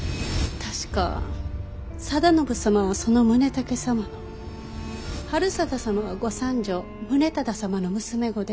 確か定信様はその宗武様の治済様はご三女宗尹様の娘御で。